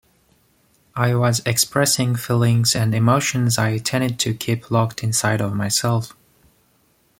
I was expressing feelings and emotions I tended to keep locked inside of myself.